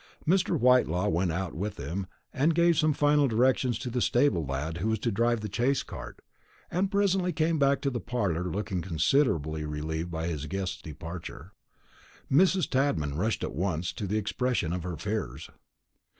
Mr. Whitelaw went out with him, and gave some final directions to the stable lad who was to drive the chaise cart, and presently came back to the parlour, looking considerably relieved by his guest's departure. Mrs. Tadman rushed at once to the expression of her fears.